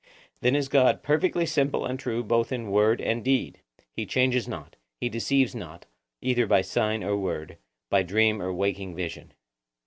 Then is God perfectly simple and true both in word and deed; he changes not; he deceives not, either by sign or word, by dream or waking vision.